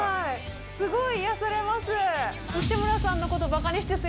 すごい癒やされます。